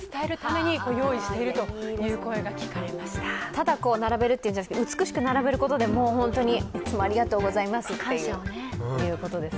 ただ並べるっていうんじゃなくて美しく並べることでもう本当にいつもありがとうございますっていうことですね。